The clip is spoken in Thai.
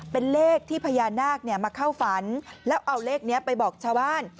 เป็นเลขที่พญานาคมาเข้าฝันแล้วเอาเลขนี้ไปบอกชาวบ้าน